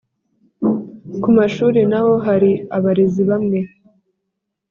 Ku mashuri na ho hari abarezi bamwe